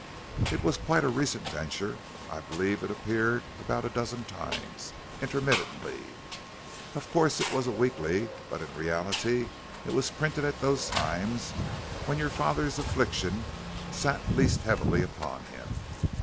It was quite a recent venture; I believe it appeared about a dozen times intermittently. Ostensibly it was a weekly, but in reality it was printed at those times when your father's affliction sat least heavily upon him.